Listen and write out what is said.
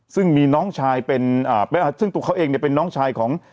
ซึ่งมีน้องชายเป็นซึ่งตัวเขาเองเนี่ยเป็นน้องชายของ